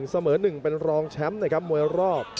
เสมอ๑เป็นรองแชมป์นะครับมวยรอบ